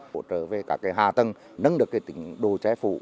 hỗ trợ về cả hà tầng nâng được tỉnh đồ chế phụ